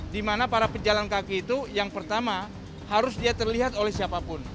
di mana para pejalan kaki itu yang pertama harus dia terlihat oleh siapapun